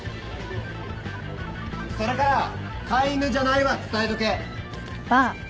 それから「飼い犬じゃない」は伝えとけ。